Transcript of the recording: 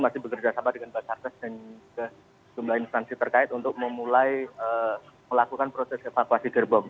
masih bekerjasama dengan basarnas dan sejumlah instansi terkait untuk memulai melakukan proses evakuasi gerbong